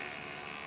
nggak ada pakarnya